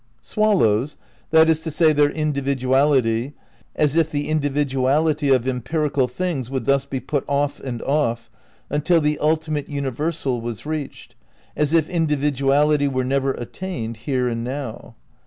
Swallows, that is to say, their individuality — as if the individuality of empirical things would thus be put off and off, until the ultimate universal was reached, as if individuality were never attained here and now.